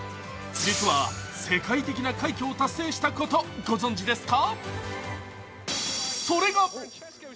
実は世界的な快挙を達成したことご存じですか。